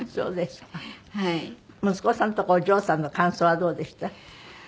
息子さんとかお嬢さんの感想はどうでした？